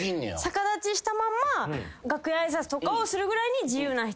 逆立ちしたまんま楽屋挨拶とかをするぐらいに自由な人になりたいですね。